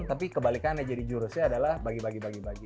tapi kebalikannya jadi jurusnya adalah bagi bagi bagi